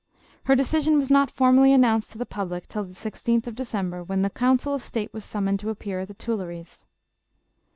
Her decision was not. formally announced to the public till the 16th of December, when the council of State were summoned to appear at the Tuilleries.